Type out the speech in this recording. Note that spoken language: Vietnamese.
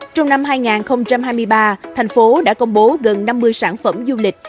trong năm hai nghìn hai mươi ba thành phố đã công bố gần năm mươi sản phẩm du lịch